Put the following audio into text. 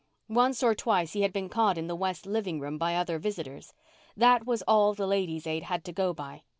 Once or twice he had been caught in the West living room by other visitors; that was all the Ladies' Aid had to go by.